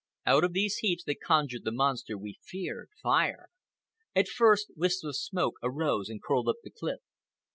Out of these heaps they conjured the monster we feared—FIRE. At first, wisps of smoke arose and curled up the cliff.